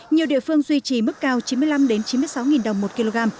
nhiều địa phương duy trì mức cao chín mươi năm chín mươi sáu đồng một kg